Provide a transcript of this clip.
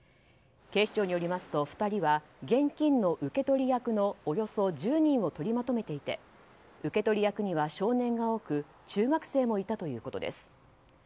警視庁によりますと２人は現金の受け取り役のおよそ１０人を取りまとめていて受け取り役には少年が多く中学生もいたということです。